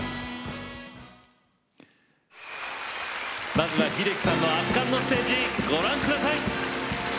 まずは西城秀樹さんの圧巻のステージをご覧ください。